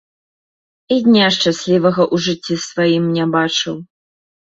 І дня шчаслівага ў жыцці сваім не бачыў.